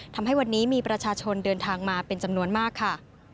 ทำให้วันนี้มีประชาชนเดินทางมาเป็นจำนวนมากค่ะ